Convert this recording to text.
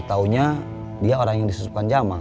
gatau nya dia orang yang disusupkan jamal